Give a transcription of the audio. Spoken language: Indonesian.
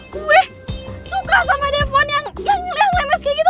gue suka sama devon yang lemes kayak gitu